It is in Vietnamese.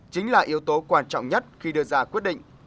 chính là yếu tố quan trọng nhất khi đưa ra quyết định